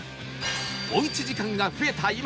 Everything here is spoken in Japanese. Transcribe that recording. おうち時間が増えた